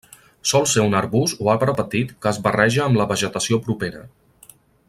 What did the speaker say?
Sol ser un arbust o arbre petit que es barreja amb la vegetació propera.